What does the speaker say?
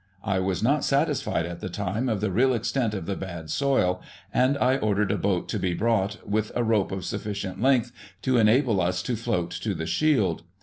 I was not satisfied, at the time, of the real extent of the bad soil, and I ordered a boat to be brought, with a rope of sufficient length to enable us to float to the shield.